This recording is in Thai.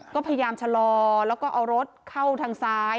ก็พยายามชะลอแล้วก็เอารถเข้าทางซ้าย